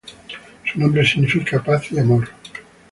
Su nombre significa "Paz y Amor".